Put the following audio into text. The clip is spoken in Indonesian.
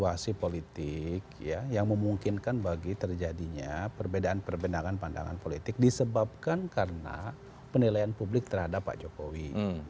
situasi politik yang memungkinkan bagi terjadinya perbedaan perbedaan pandangan politik disebabkan karena penilaian publik terhadap pak jokowi